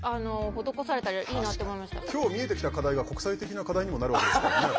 今日見えてきた課題が国際的な課題にもなるわけですからね。